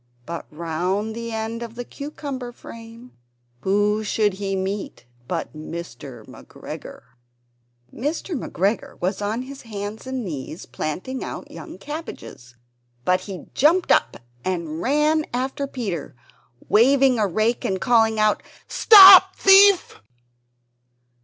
But round the end of a cucumber frame, whom should he meet but Mr. McGregor! Mr. McGregor was on his hands and knees planting out young cabbages, but he jumped up and ran after Peter, waving a rake and calling out, "Stop, thief!"